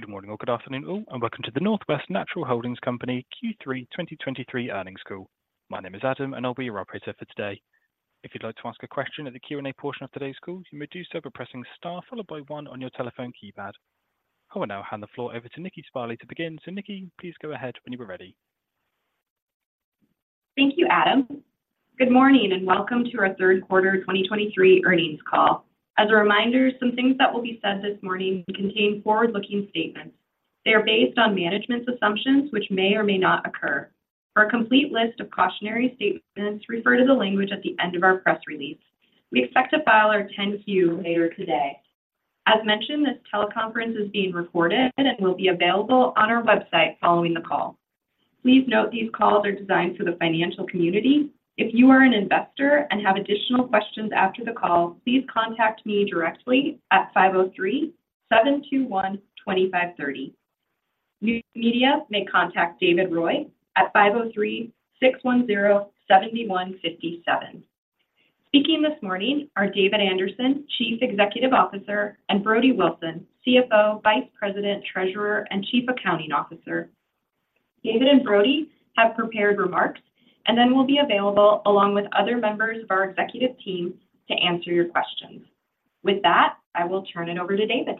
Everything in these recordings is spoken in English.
Good morning or good afternoon, all, and welcome to the Northwest Natural Holding Company Q3 2023 Earnings Call. My name is Adam, and I'll be your operator for today. If you'd like to ask a question at the Q&A portion of today's call, you may do so by pressing star followed by one on your telephone keypad. I will now hand the floor over to Nikki Sparley to begin. So Nikki, please go ahead when you are ready. Thank you, Adam. Good morning, and welcome to our Third Quarter 2023 Earnings Call. As a reminder, some things that will be said this morning contain forward-looking statements. They are based on management's assumptions, which may or may not occur. For a complete list of cautionary statements, refer to the language at the end of our press release. We expect to file our 10-Q later today. As mentioned, this teleconference is being recorded and will be available on our website following the call. Please note these calls are designed for the financial community. If you are an investor and have additional questions after the call, please contact me directly at 503-721-2530. News media may contact David Roy at 503-610-7157. Speaking this morning are David Anderson, Chief Executive Officer, and Brody Wilson, CFO, Vice President, Treasurer, and Chief Accounting Officer. David and Brody have prepared remarks and then will be available along with other members of our executive team to answer your questions. With that, I will turn it over to David.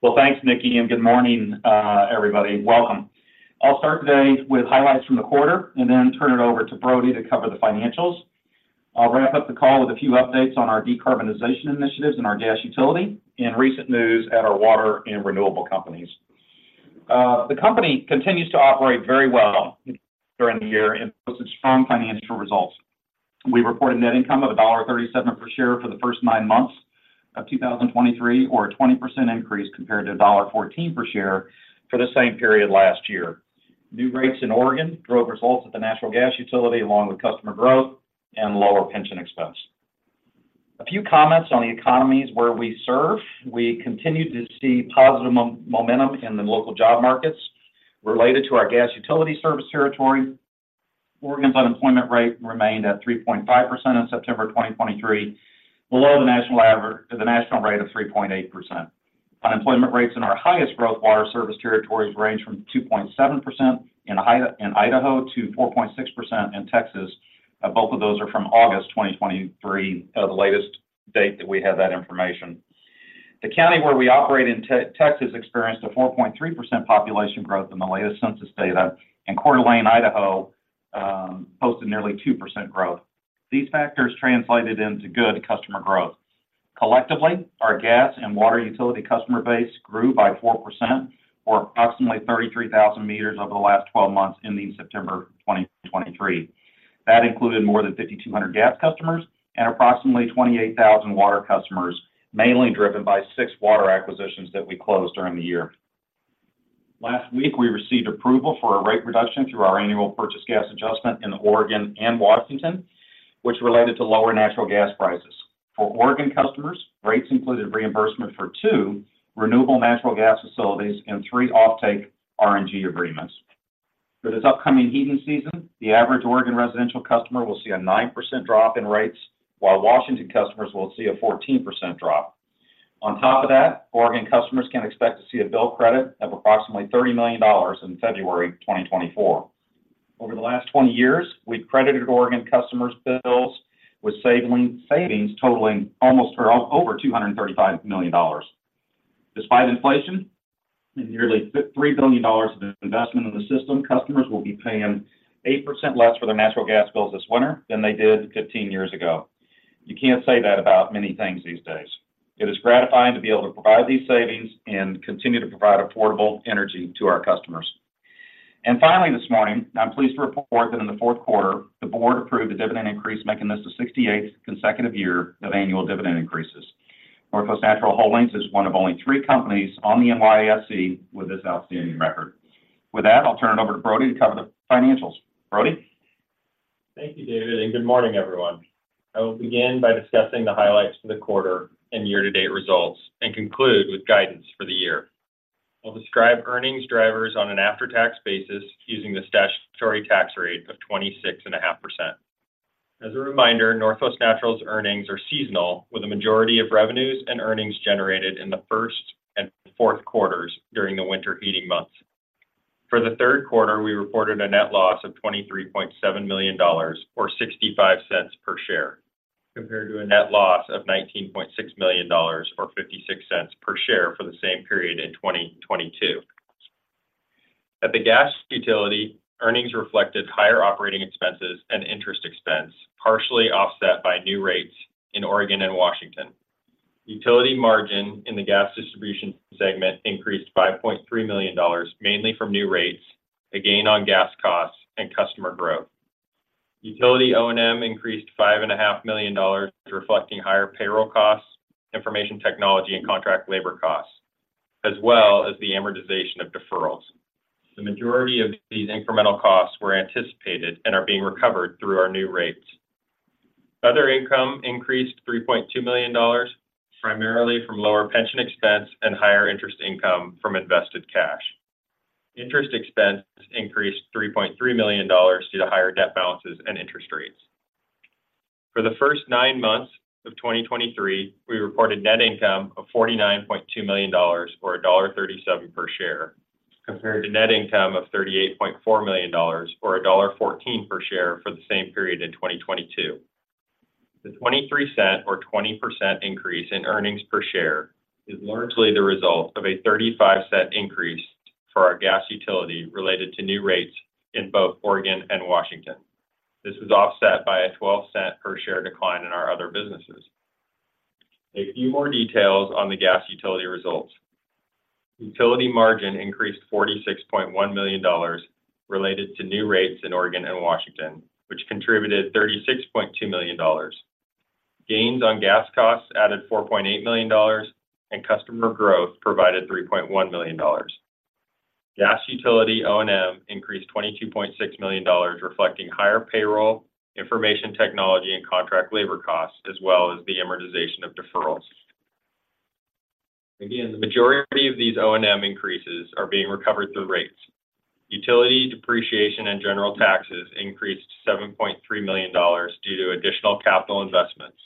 Well, thanks, Nikki, and good morning, everybody. Welcome. I'll start today with highlights from the quarter and then turn it over to Brody to cover the financials. I'll wrap up the call with a few updates on our decarbonization initiatives and our gas utility and recent news at our water and renewable companies. The company continues to operate very well during the year and posted strong financial results. We reported net income of $1.37 per share for the first nine months of 2023, or a 20% increase compared to $1.14 per share for the same period last year. New rates in Oregon drove results at the natural gas utility, along with customer growth and lower pension expense. A few comments on the economies where we serve. We continue to see positive momentum in the local job markets related to our gas utility service territory. Oregon's unemployment rate remained at 3.5% in September 2023, below the national average, the national rate of 3.8%. Unemployment rates in our highest growth water service territories range from 2.7% in Idaho to 4.6% in Texas. Both of those are from August 2023, the latest date that we have that information. The county where we operate in Texas experienced a 4.3% population growth in the latest census data, and Coeur d'Alene, Idaho, posted nearly 2% growth. These factors translated into good customer growth. Collectively, our gas and water utility customer base grew by 4% or approximately 33,000 meters over the last twelve months ending September 2023. That included more than 5,200 gas customers and approximately 28,000 water customers, mainly driven by six water acquisitions that we closed during the year. Last week, we received approval for a rate reduction through our annual Purchased Gas Adjustment in Oregon and Washington, which related to lower natural gas prices. For Oregon customers, rates included reimbursement for two Renewable Natural Gas facilities and three offtake R&G agreements. For this upcoming heating season, the average Oregon residential customer will see a 9% drop in rates, while Washington customers will see a 14% drop. On top of that, Oregon customers can expect to see a bill credit of approximately $30 million in February 2024. Over the last 20 years, we've credited Oregon customers' bills with savings totaling almost or over $235 million. Despite inflation and nearly $3 billion of investment in the system, customers will be paying 8% less for their natural gas bills this winter than they did 15 years ago. You can't say that about many things these days. It is gratifying to be able to provide these savings and continue to provide affordable energy to our customers. And finally, this morning, I'm pleased to report that in the fourth quarter, the board approved a dividend increase, making this the 68th consecutive year of annual dividend increases. Northwest Natural Holdings is one of only three companies on the NYSE with this outstanding record. With that, I'll turn it over to Brody to cover the financials. Brody? Thank you, David, and good morning, everyone. I will begin by discussing the highlights for the quarter and year-to-date results and conclude with guidance for the year. I'll describe earnings drivers on an after-tax basis using the statutory tax rate of 26.5%. As a reminder, Northwest Natural's earnings are seasonal, with the majority of revenues and earnings generated in the first and fourth quarters during the winter heating months. For the third quarter, we reported a net loss of $23.7 million or $0.65 per share, compared to a net loss of $19.6 million or $0.56 per share for the same period in 2022. At the gas utility, earnings reflected higher operating expenses and interest expense, partially offset by new rates in Oregon and Washington. Utility margin in the gas distribution segment increased $5.3 million, mainly from new rates, a gain on gas costs, and customer growth. Utility O&M increased $5.5 million, reflecting higher payroll costs, information technology, and contract labor costs, as well as the amortization of deferrals. The majority of these incremental costs were anticipated and are being recovered through our new rates. Other income increased $3.2 million, primarily from lower pension expense and higher interest income from invested cash. Interest expense increased $3.3 million due to higher debt balances and interest rates.... For the first nine months of 2023, we reported net income of $49.2 million or $1.37 per share, compared to net income of $38.4 million or $1.14 per share for the same period in 2022. The $0.23 or 20% increase in earnings per share is largely the result of a $0.35 increase for our gas utility related to new rates in both Oregon and Washington. This was offset by a $0.12 per share decline in our other businesses. A few more details on the gas utility results. Utility margin increased $46.1 million related to new rates in Oregon and Washington, which contributed $36.2 million. Gains on gas costs added $4.8 million, and customer growth provided $3.1 million. Gas utility O&M increased $22.6 million, reflecting higher payroll, information technology, and contract labor costs, as well as the amortization of deferrals. Again, the majority of these O&M increases are being recovered through rates. Utility, depreciation, and general taxes increased $7.3 million due to additional capital investments.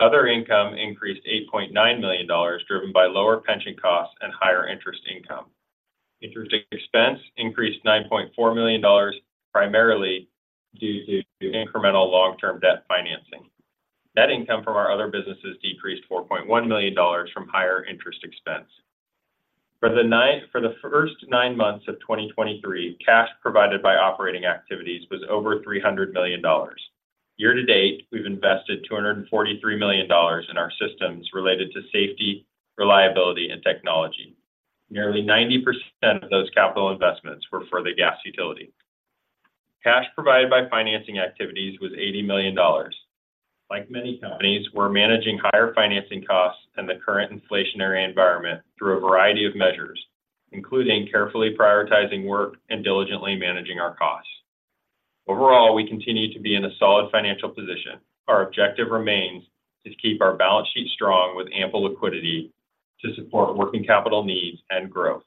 Other income increased $8.9 million, driven by lower pension costs and higher interest income. Interest expense increased $9.4 million, primarily due to incremental long-term debt financing. Net income from our other businesses decreased $4.1 million from higher interest expense. For the first 9 months of 2023, cash provided by operating activities was over $300 million. Year to date, we've invested $243 million in our systems related to safety, reliability, and technology. Nearly 90% of those capital investments were for the gas utility. Cash provided by financing activities was $80 million. Like many companies, we're managing higher financing costs and the current inflationary environment through a variety of measures, including carefully prioritizing work and diligently managing our costs. Overall, we continue to be in a solid financial position. Our objective remains to keep our balance sheet strong with ample liquidity to support working capital needs and growth.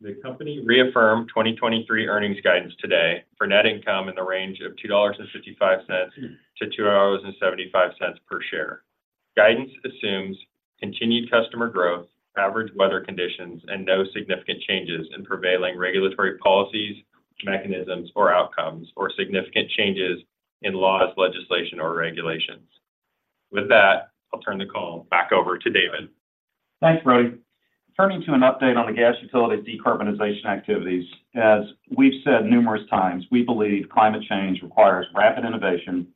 The company reaffirmed 2023 earnings guidance today for net income in the range of $2.55-$2.75 per share. Guidance assumes continued customer growth, average weather conditions, and no significant changes in prevailing regulatory policies, mechanisms, or outcomes, or significant changes in laws, legislation, or regulations. With that, I'll turn the call back over to David. Thanks, Brody. Turning to an update on the gas utility decarbonization activities. As we've said numerous times, we believe climate change requires rapid innovation,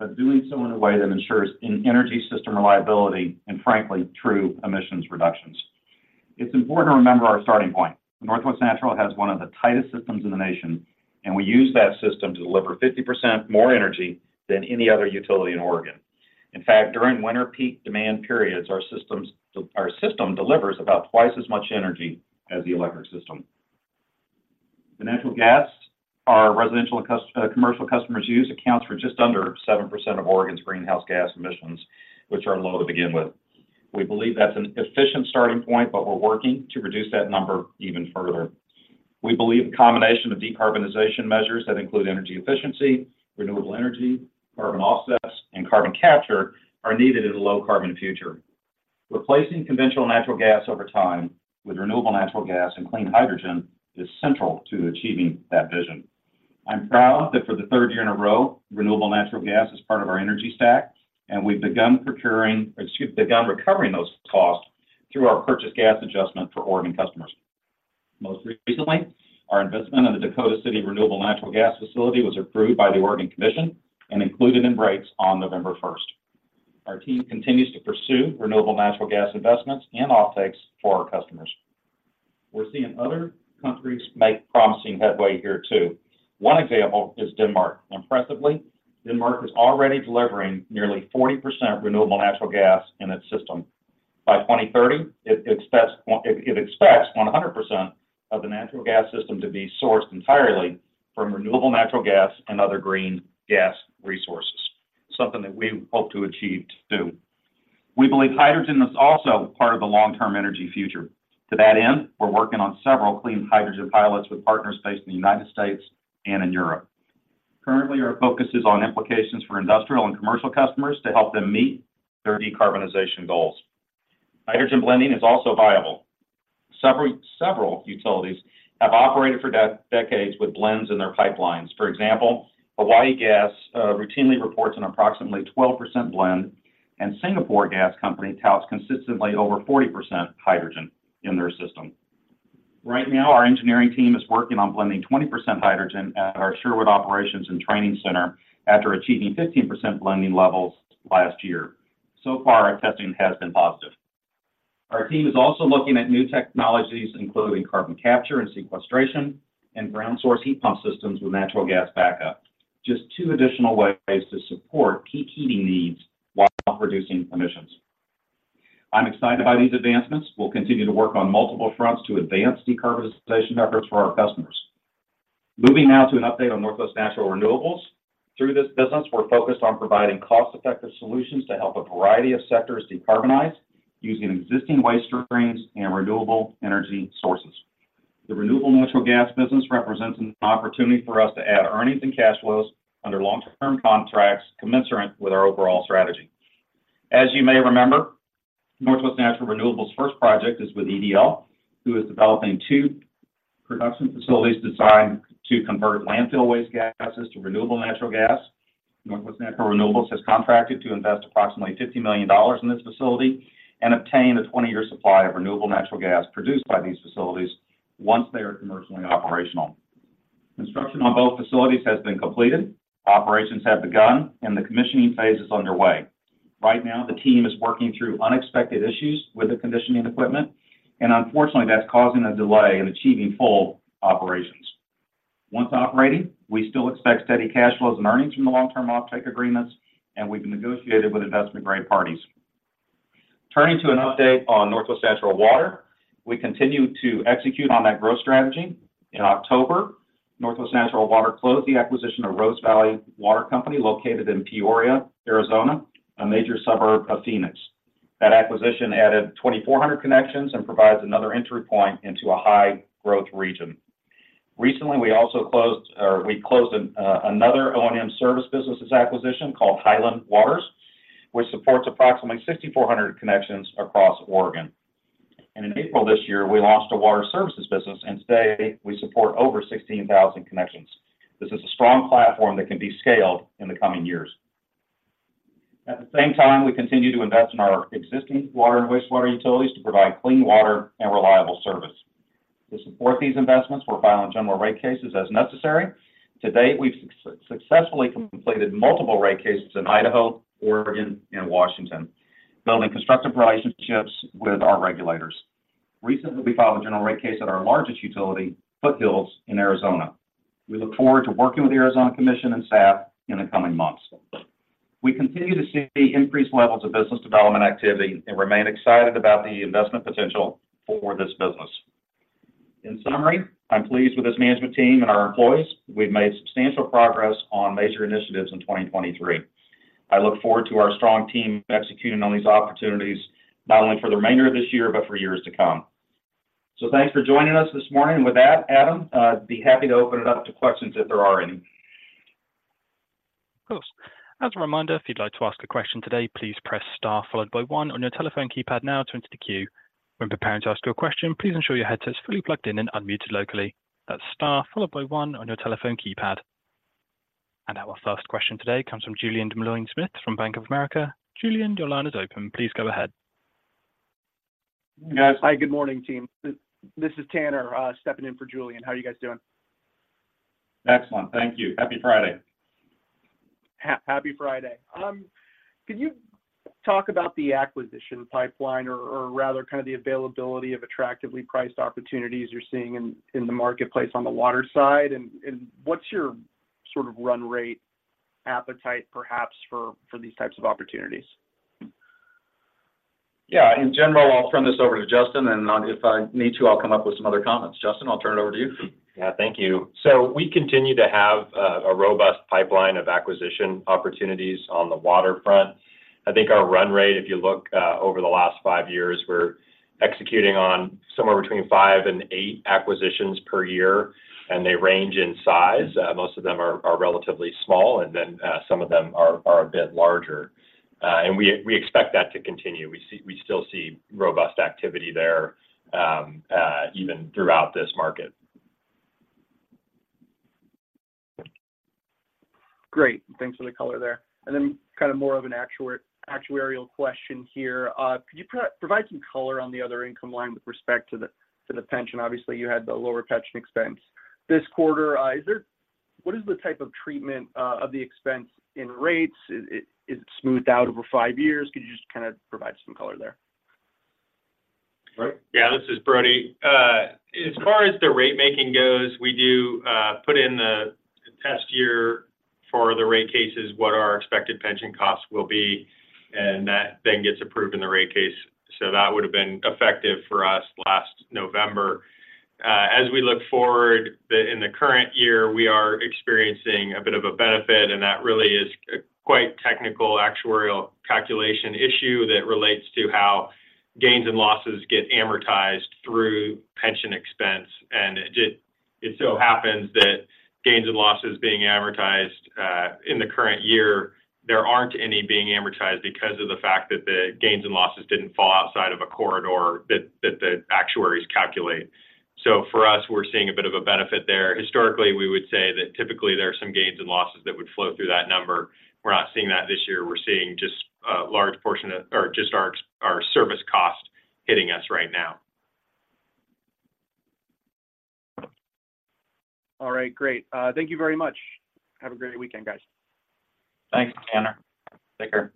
but doing so in a way that ensures an energy system reliability and frankly, true emissions reductions. It's important to remember our starting point. Northwest Natural has one of the tightest systems in the nation, and we use that system to deliver 50% more energy than any other utility in Oregon. In fact, during winter peak demand periods, our systems, our system delivers about twice as much energy as the electric system. The natural gas our residential and commercial customers use accounts for just under 7% of Oregon's greenhouse gas emissions, which are low to begin with. We believe that's an efficient starting point, but we're working to reduce that number even further. We believe a combination of decarbonization measures that include energy efficiency, renewable energy, carbon offsets, and carbon capture are needed in a low-carbon future. Replacing conventional natural gas over time with renewable natural gas and clean hydrogen is central to achieving that vision. I'm proud that for the third year in a row, renewable natural gas is part of our energy stack, and we've begun procuring, or excuse me, begun recovering those costs through our Purchased Gas Adjustment for Oregon customers. Most recently, our investment in the Dakota City Renewable Natural Gas Facility was approved by the Oregon Commission and included in rates on 1 November. Our team continues to pursue renewable natural gas investments and offtakes for our customers. We're seeing other countries make promising headway here, too. One example is Denmark. Impressively, Denmark is already delivering nearly 40% renewable natural gas in its system. By 2030, it expects 100% of the natural gas system to be sourced entirely from renewable natural gas and other green gas resources, something that we hope to achieve, too. We believe hydrogen is also part of the long-term energy future. To that end, we're working on several clean hydrogen pilots with partners based in the United States and in Europe. Currently, our focus is on implications for industrial and commercial customers to help them meet their decarbonization goals. Hydrogen blending is also viable. Several utilities have operated for decades with blends in their pipelines. For example, Hawaii Gas routinely reports an approximately 12% blend, and Singapore Gas Company touts consistently over 40% hydrogen in their system. Right now, our engineering team is working on blending 20% hydrogen at our Sherwood Operations and Training Center after achieving 15% blending levels last year. So far, our testing has been positive. Our team is also looking at new technologies, including carbon capture and sequestration, and ground source heat pump systems with natural gas backup. Just two additional ways to support peak heating needs while reducing emissions. I'm excited by these advancements. We'll continue to work on multiple fronts to advance decarbonization efforts for our customers. Moving now to an update on Northwest Natural Renewables. Through this business, we're focused on providing cost-effective solutions to help a variety of sectors decarbonize using existing waste streams and renewable energy sources. The renewable natural gas business represents an opportunity for us to add earnings and cash flows under long-term contracts commensurate with our overall strategy. As you may remember, Northwest Natural Renewables' first project is with EDL, who is developing two production facilities designed to convert landfill waste gases to renewable natural gas. Northwest Natural Renewables has contracted to invest approximately $50 million in this facility and obtain a 20-year supply of renewable natural gas produced by these facilities once they are commercially operational. Construction on both facilities has been completed, operations have begun, and the commissioning phase is underway. Right now, the team is working through unexpected issues with the conditioning equipment, and unfortunately, that's causing a delay in achieving full operations. Once operating, we still expect steady cash flows and earnings from the long-term offtake agreements, and we've negotiated with investment-grade parties. Turning to an update on Northwest Natural Water, we continue to execute on that growth strategy. In October, Northwest Natural Water closed the acquisition of Rose Valley Water Company, located in Peoria, Arizona, a major suburb of Phoenix. That acquisition added 2,400 connections and provides another entry point into a high-growth region. Recently, we also closed another O&M service businesses acquisition called Hiland Waters, which supports approximately 6,400 connections across Oregon. In April this year, we launched a water services business, and today we support over 16,000 connections. This is a strong platform that can be scaled in the coming years. At the same time, we continue to invest in our existing water and wastewater utilities to provide clean water and reliable service. To support these investments, we're filing general rate cases as necessary. To date, we've successfully completed multiple rate cases in Idaho, Oregon, and Washington, building constructive relationships with our regulators. Recently, we filed a general rate case at our largest utility, Foothills, in Arizona. We look forward to working with the Arizona Commission and staff in the coming months. We continue to see increased levels of business development activity and remain excited about the investment potential for this business. In summary, I'm pleased with this management team and our employees. We've made substantial progress on major initiatives in 2023. I look forward to our strong team executing on these opportunities, not only for the remainder of this year, but for years to come. So thanks for joining us this morning. With that, Adam, I'd be happy to open it up to questions if there are any. Of course. As a reminder, if you'd like to ask a question today, please press star followed by one on your telephone keypad now to enter the queue. When preparing to ask your question, please ensure your headset is fully plugged in and unmuted locally. That's star followed by one on your telephone keypad. And our first question today comes from Julien Smith from Bank of America. Julien, your line is open. Please go ahead. Yes. Hi, good morning, team. This is Tanner, stepping in for Julien. How are you guys doing? Excellent. Thank you. Happy Friday. Happy Friday. Could you talk about the acquisition pipeline or, or rather kind of the availability of attractively priced opportunities you're seeing in the marketplace on the water side? And what's your sort of run rate appetite, perhaps for these types of opportunities? Yeah, in general, I'll turn this over to Justin, and, if I need to, I'll come up with some other comments. Justin, I'll turn it over to you. Yeah, thank you. So we continue to have a robust pipeline of acquisition opportunities on the waterfront. I think our run rate, if you look, over the last five years, we're executing on somewhere between five to eight acquisitions per year, and they range in size. Most of them are relatively small, and then some of them are a bit larger. And we expect that to continue. We still see robust activity there, even throughout this market. Great. Thanks for the color there. Then kind of more of an actuarial question here. Could you provide some color on the other income line with respect to the pension? Obviously, you had the lower pension expense this quarter. What is the type of treatment of the expense in rates? Is it smoothed out over five years? Could you just kinda provide some color there? Brody? Yeah, this is Brody. As far as the rate making goes, we do put in the test year for the rate cases, what our expected pension costs will be, and that then gets approved in the rate case. So that would have been effective for us last November. As we look forward, in the current year, we are experiencing a bit of a benefit, and that really is a quite technical, actuarial calculation issue that relates to how gains and losses get amortized through pension expense. And it just so happens that gains and losses being amortized in the current year, there aren't any being amortized because of the fact that the gains and losses didn't fall outside of a corridor that the actuaries calculate. So for us, we're seeing a bit of a benefit there. Historically, we would say that typically there are some gains and losses that would flow through that number. We're not seeing that this year. We're seeing just a large portion of or just our, our service cost hitting us right now. All right, great. Thank you very much. Have a great weekend, guys. Thanks, Tanner. Take care.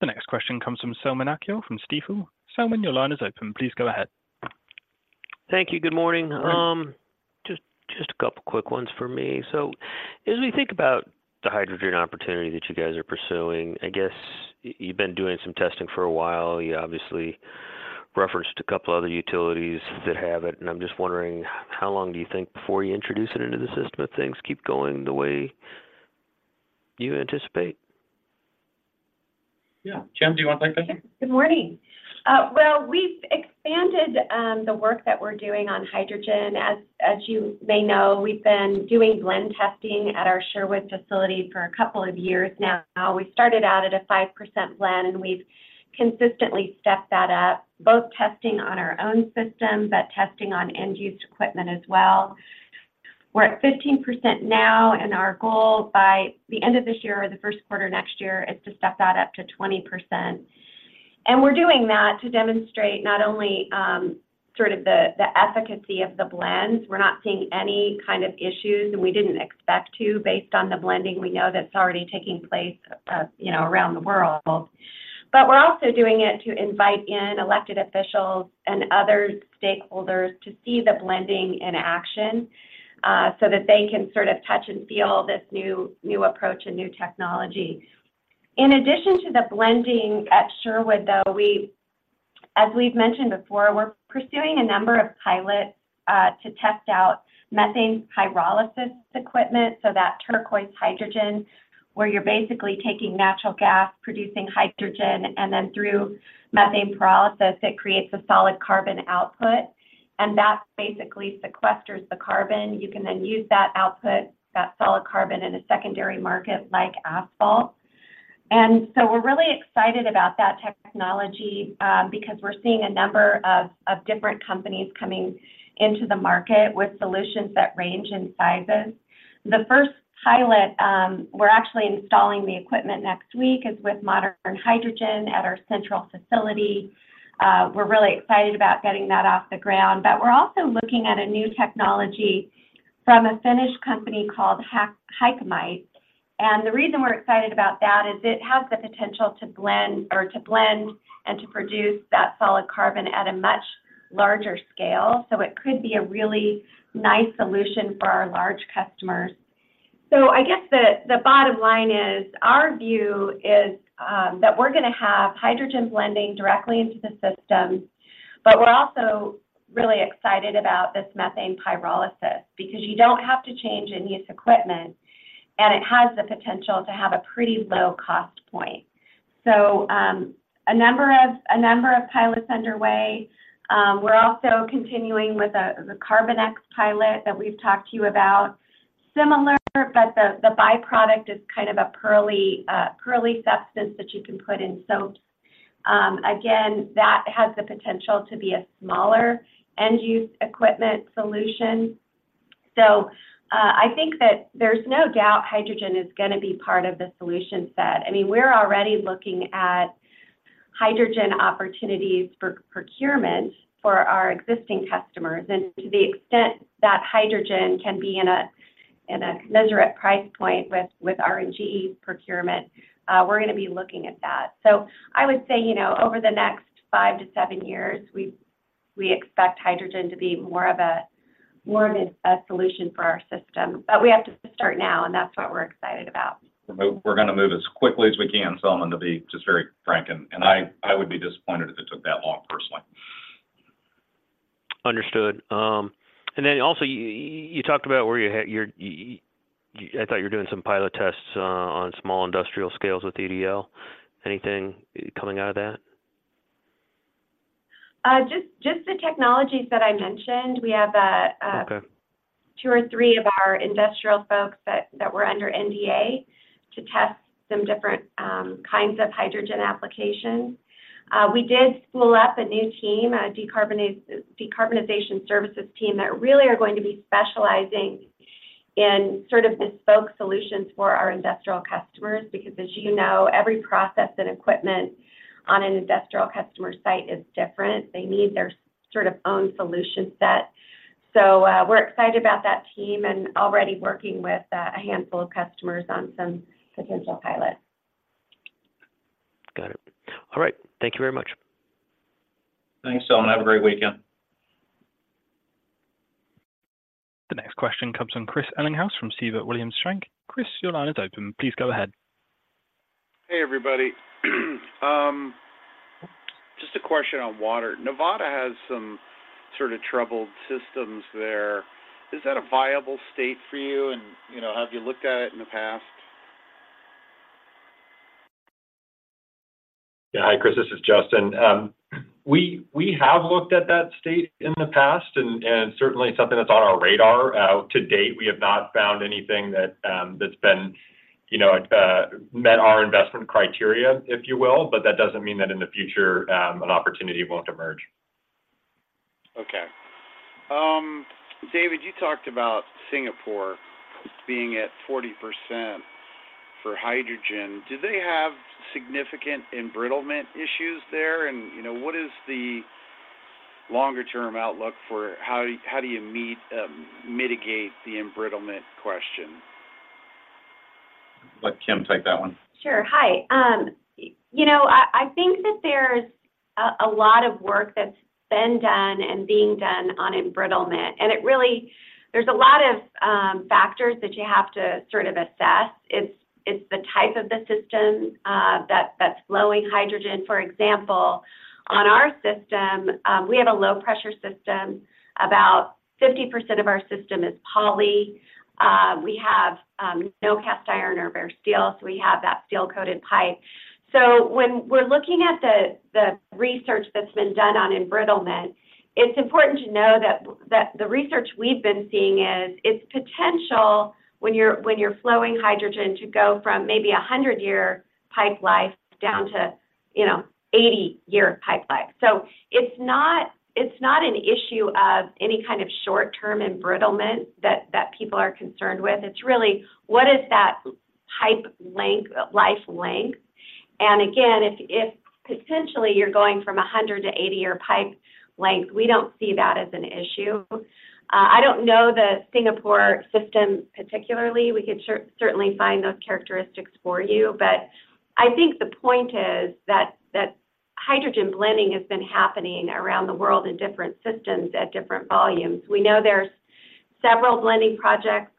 The next question comes from Selman Akyol, from Stifel. Selman, your line is open. Please go ahead. Thank you. Good morning. Hi. Just, just a couple quick ones for me. So as we think about the hydrogen opportunity that you guys are pursuing, I guess you've been doing some testing for a while. You obviously referenced a couple of other utilities that have it, and I'm just wondering, how long do you think before you introduce it into the system, if things keep going the way you anticipate? Yeah, Kim, do you want to take this? Sure. Good morning. Well, we've expanded the work that we're doing on hydrogen. As you may know, we've been doing blend testing at our Sherwood facility for a couple of years now. We started out at a 5% blend, and we've consistently stepped that up, both testing on our own system, but testing on end-use equipment as well. We're at 15% now, and our goal by the end of this year or the first quarter next year is to step that up to 20%. And we're doing that to demonstrate not only sort of the efficacy of the blends. We're not seeing any kind of issues, and we didn't expect to, based on the blending we know that's already taking place, you know, around the world. But we're also doing it to invite in elected officials and other stakeholders to see the blending in action, so that they can sort of touch and feel this new approach and new technology. In addition to the blending at Sherwood, though, we as we've mentioned before, we're pursuing a number of pilots to test out methane pyrolysis equipment, so that turquoise hydrogen, where you're basically taking natural gas, producing hydrogen, and then through methane pyrolysis, it creates a solid carbon output, and that basically sequesters the carbon. You can then use that output, that solid carbon, in a secondary market like asphalt. And so we're really excited about that technology, because we're seeing a number of different companies coming into the market with solutions that range in sizes. The first pilot, we're actually installing the equipment next week, is with Modern Hydrogen at our central facility. We're really excited about getting that off the ground. But we're also looking at a new technology from a Finnish company called Hycamite. And the reason we're excited about that is it has the potential to blend, or to blend and to produce that solid carbon at a much larger scale. So it could be a really nice solution for our large customers. So I guess the bottom line is, our view is, that we're gonna have hydrogen blending directly into the system, but we're also really excited about this methane pyrolysis, because you don't have to change end-use equipment, and it has the potential to have a pretty low cost point. So, a number of pilots underway. We're also continuing with the CarbinX pilot that we've talked to you about. Similar, but the byproduct is kind of a pearly substance that you can put in soap. Again, that has the potential to be a smaller end-use equipment solution. So, I think that there's no doubt hydrogen is gonna be part of the solution set. I mean, we're already looking at hydrogen opportunities for procurement for our existing customers, and to the extent that hydrogen can be in a measure at price point with R&G procurement, we're gonna be looking at that. So I would say, you know, over the next five to seven years, we expect hydrogen to be more of a solution for our system. But we have to start now, and that's what we're excited about. We're gonna move as quickly as we can, Selman, to be just very frank, and, and I, I would be disappointed if it took that long, personally. Understood. And then also, you talked about where you had your, I thought you're doing some pilot tests on small industrial scales with EDL. Anything coming out of that? Just the technologies that I mentioned. We have, Okay. Two or three of our industrial folks that were under NDA to test some different kinds of hydrogen applications. We did spool up a new team, a decarbonization services team, that really are going to be specializing in sort of bespoke solutions for our industrial customers, because as you know, every process and equipment on an industrial customer site is different. They need their sort of own solution set. So, we're excited about that team and already working with a handful of customers on some potential pilots. Got it. All right. Thank you very much. Thanks, Selman. Have a great weekend. The next question comes from Chris Ellinghaus from Siebert Williams Shank. Chris, your line is open. Please go ahead. Hey, everybody. Just a question on water. Nevada has some sort of troubled systems there. Is that a viable state for you? And, you know, have you looked at it in the past? Yeah. Hi, Chris, this is Justin. We have looked at that state in the past, and certainly something that's on our radar. To date, we have not found anything that that's been, you know, met our investment criteria, if you will, but that doesn't mean that in the future, an opportunity won't emerge. Okay. David, you talked about Singapore being at 40% for hydrogen. Do they have significant embrittlement issues there? And, you know, what is the longer term outlook for— How do you, how do you meet, mitigate the embrittlement question? I'll let Kim take that one. Sure. Hi. You know, I think that there's a lot of work that's been done and being done on embrittlement, and it really there's a lot of factors that you have to sort of assess. It's the type of the system that's flowing hydrogen. For example, on our system, we have a low pressure system. About 50% of our system is poly. We have no cast iron or bare steel, so we have that steel-coated pipe. So when we're looking at the research that's been done on embrittlement, it's important to know that the research we've been seeing is potential when you're flowing hydrogen to go from maybe a 100-year pipe life down to, you know, 80-year pipe life. So it's not an issue of any kind of short-term embrittlement that people are concerned with. It's really what is that pipe length, life length? And again, if potentially you're going from a 100- to 80-year pipe length, we don't see that as an issue. I don't know the Singapore system particularly. We could certainly find those characteristics for you. But I think the point is that hydrogen blending has been happening around the world in different systems at different volumes. We know there's several blending projects,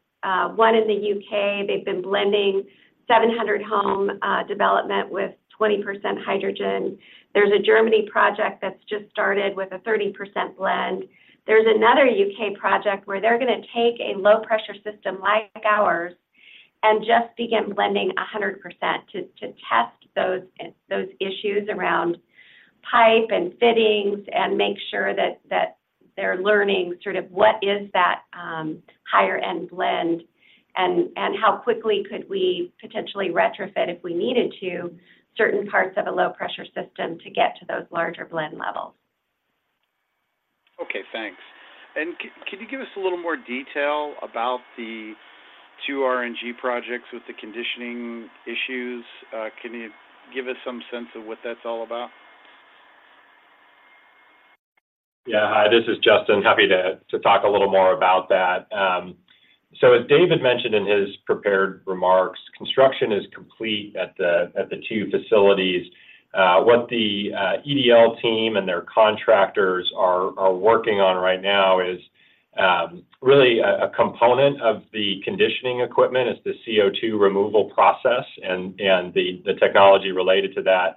one in the UK. They've been blending 700-home development with 20% hydrogen. There's a Germany project that's just started with a 30% blend. There's another UK project where they're going to take a low-pressure system like ours and just begin blending 100% to test those issues around pipe and fittings and make sure that they're learning sort of what is that higher end blend, and how quickly could we potentially retrofit, if we needed to, certain parts of a low-pressure system to get to those larger blend levels. Okay, thanks. And can you give us a little more detail about the two R&G projects with the conditioning issues? Can you give us some sense of what that's all about? Yeah. Hi, this is Justin. Happy to, to talk a little more about that. So as David mentioned in his prepared remarks, construction is complete at the, at the two facilities. What the EDL team and their contractors are, are working on right now is really a, a component of the conditioning equipment. It's the CO2 removal process and, and the, the technology related to that.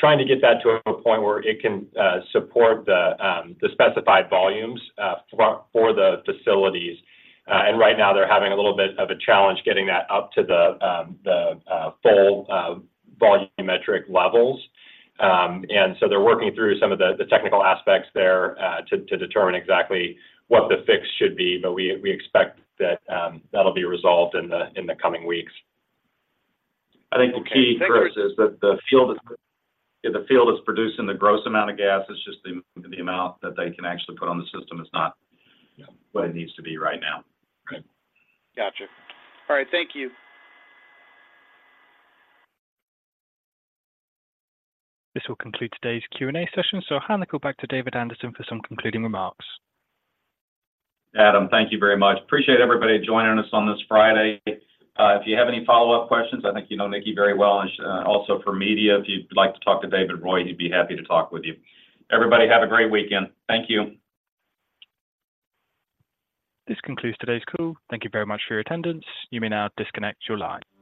Trying to get that to a point where it can support the, the specified volumes, for, for the facilities. And right now, they're having a little bit of a challenge getting that up to the full, volumetric levels. They're working through some of the technical aspects there to determine exactly what the fix should be, but we expect that that'll be resolved in the coming weeks. Okay. I think the key first is that the field is, yeah, the field is producing the gross amount of gas. It's just the amount that they can actually put on the system is not- Yeah. What it needs to be right now. Okay. Gotcha. All right, thank you. This will conclude today's Q&A session. I'll hand it back to David Anderson for some concluding remarks. Adam, thank you very much. Appreciate everybody joining us on this Friday. If you have any follow-up questions, I think you know Nikki very well. And, also for media, if you'd like to talk to David Roy, he'd be happy to talk with you. Everybody, have a great weekend. Thank you. This concludes today's call. Thank you very much for your attendance. You may now disconnect your line.